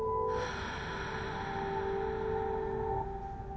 はあ。